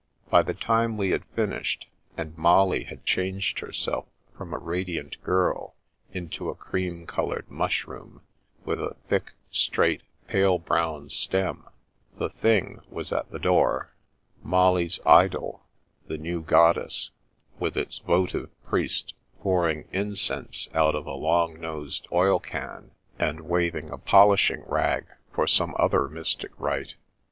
By the time we had finished, and Molly had changed herself from a ra diant girl into a cream coloured mushroom, with a thick, straight, pale brown stem, the Thing was at the door— rMoUy^s idol, the new goddess, with its votive priest pouring incense out of a long nosed oil can and waving a polishing rag for some other mystic rite.